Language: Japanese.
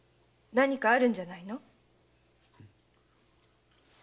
何かあるんじゃないの？